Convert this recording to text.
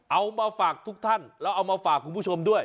เอามาฝากทุกท่านแล้วเอามาฝากคุณผู้ชมด้วย